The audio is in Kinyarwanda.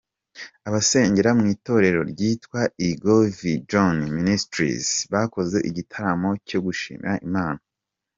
Abasengera mu itorero ryitwa igo Vijoni Minisitirizi bakoze igitaramo cyo gushimira Imana.